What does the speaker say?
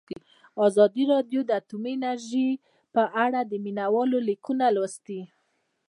ازادي راډیو د اټومي انرژي په اړه د مینه والو لیکونه لوستي.